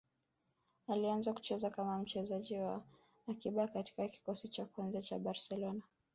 Alianza kucheza kama mchezaji wa akiba katika kikosi cha kwanza cha Barcelona